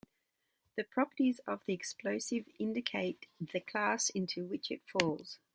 The properties of the explosive indicate the class into which it falls.